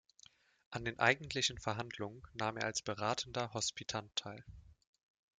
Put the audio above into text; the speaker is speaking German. An den eigentlichen Verhandlungen nahm er als beratender Hospitant teil.